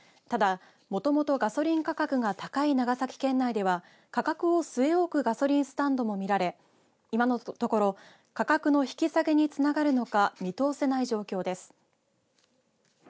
ただ、もともとガソリン価格が高い、長崎県内では価格は据え置くガソリンスタンドも見られ今のところ価格の引き下げにつながるのか見通せない状況です。